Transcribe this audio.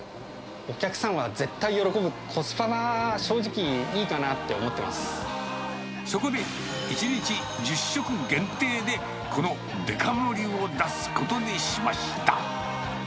お客さんは絶対喜ぶ、コスパは正直、そこで、１日１０食限定で、このデカ盛りを出すことにしました。